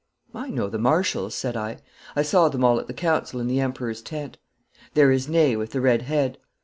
'I know the Marshals,' said I; 'I saw them all at the council in the Emperor's tent. There is Ney with the red head.